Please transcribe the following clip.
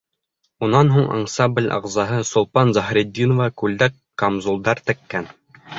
Унан һуң ансамбль ағзаһы Сулпан Заһретдинова күлдәк-камзулдар теккән.